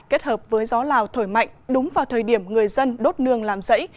kết hợp với gió lào thổi mạnh đúng vào thời điểm người dân đốt nương làm rẫy